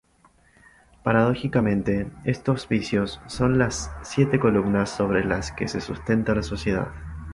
Paradójicamente, estos vicios son las siete columnas sobre las que se sustenta la sociedad.